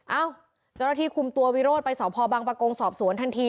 เอ้าเจ้าหน้าที่คุมตัววิโรธไปสพบังปะกงสอบสวนทันที